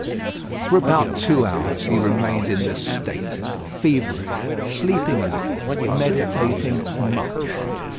For about two hours he remained in this state, feverish, sleeping a little, meditating much.